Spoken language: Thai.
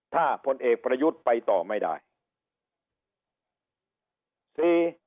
ถ้าพลเอกประยุทธ์ไปต่อไม่ได้